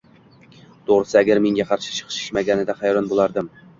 To‘g‘risi, agar menga qarshi chiqishmaganida hayron bo‘lardim.